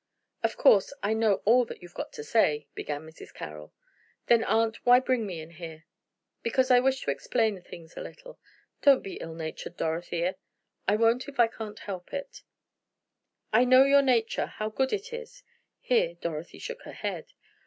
"Of course I know all that you've got to say," began Mrs. Carroll. "Then, aunt, why bring me in here?" "Because I wish to explain things a little. Don't be ill natured, Dorothea." "I won't if I can help it." "I know your nature, how good it is." Here Dorothy shook her head.